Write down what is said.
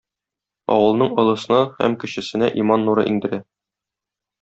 Авылның олысына һәм кечесенә иман нуры иңдерә.